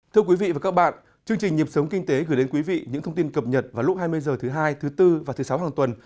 thưa quý vị và các bạn chương trình nhịp sống kinh tế gửi đến quý vị những thông tin cập nhật vào lúc hai mươi h thứ hai thứ bốn và thứ sáu hàng tuần